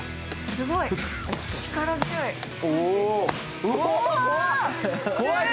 すごい、力強い。